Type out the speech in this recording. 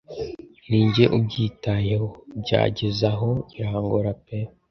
Ninjye ubyitayeho!byagezaho birangora pe